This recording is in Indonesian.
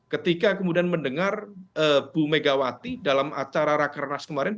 ketika kemudian mendengar bu megawati dalam acara rakernas kemarin